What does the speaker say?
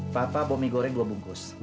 papa bomi goreng dua bungkus